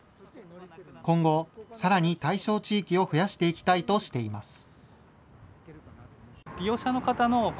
今後、さらに対象地域を増やしていきたいとしています。